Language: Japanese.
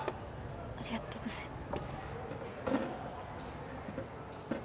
ありがとうございます。